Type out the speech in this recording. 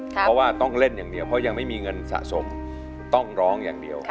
เพราะว่าต้องเล่นอย่างเดียวเพราะยังไม่มีเงินสะสมต้องร้องอย่างเดียว